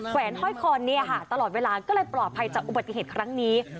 แวนห้อยคอนตลอดเวลาก็เลยปลอดภัยจากอุบัติเหตุครั้งนี้